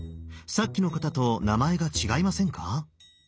さっきの方と名前が違いませんか？